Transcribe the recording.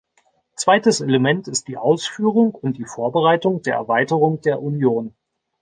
Zweites Element ist die Ausführung und die Vorbereitung der Erweiterung der Union.